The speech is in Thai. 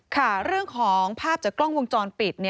ค่ะเรื่องของภาพจากกล้องวงจรปิด